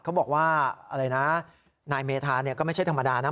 เขาบอกว่าอะไรนะนายเมธาเนี่ยก็ไม่ใช่ธรรมดานะ